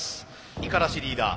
五十嵐リーダー